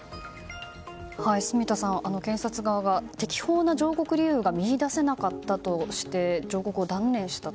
住田さん、検察側が適法な上告理由が見いだせなかったとして上告を断念したと。